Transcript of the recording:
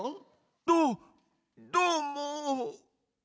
どどーも。